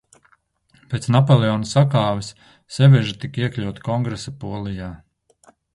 Pēc Napoleona sakāves Seveža tika iekļauta Kongresa Polijā.